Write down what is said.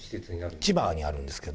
千葉にあるんですけど。